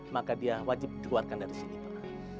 maka dia wajib dikeluarkan dari sini pak